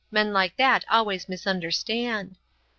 Men like that always misunderstand."